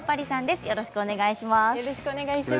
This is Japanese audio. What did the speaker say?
よろしくお願いします。